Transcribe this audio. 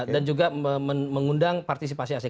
dan juga mengundang partisipasi asing